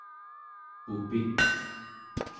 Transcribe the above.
pupik